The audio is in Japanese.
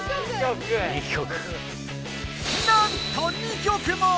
なんと２曲も！